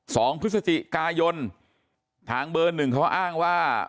สองพฤศจิกายนทางเบอร์หนึ่งเขาอ้างว่า